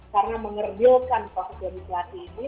karena mengerjilkan proses administrasi ini